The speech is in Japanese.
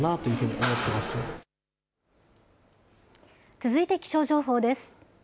続いて気象情報です。